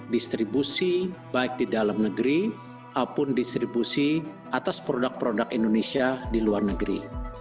distribusi baik di dalam negeri maupun distribusi atas produk produk indonesia di luar negeri